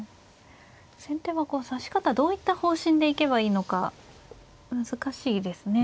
先手は指し方どういった方針で行けばいいのか難しいですね。